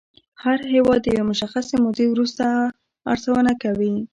هر هېواد د یوې مشخصې مودې وروسته ارزونه کوي